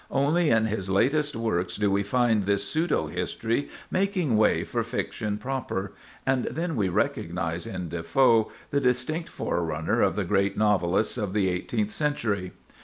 Only in his latest works do we find this pseudo history making way for fiction proper; and then we recognize in Defoe the distinct forerunner of the great novelists of the eighteenth century.